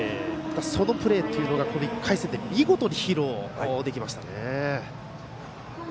そのプレーがこの１回戦で見事に披露できましたね。